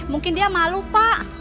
mungkin dia malu pak